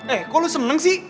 eh kok lo seneng sih